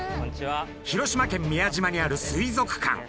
広島県宮島にある水族館。